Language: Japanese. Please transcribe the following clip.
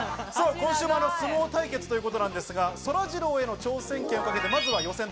今週も相撲対決ということなんですが、そらジローへの挑戦権をかけてまずは予選。